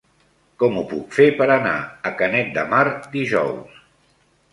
Com ho puc fer per anar a Canet de Mar dijous?